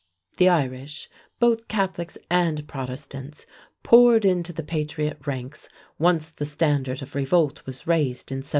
The Irish, both Catholics and Protestants, poured into the patriot ranks once the standard of revolt was raised in 1775.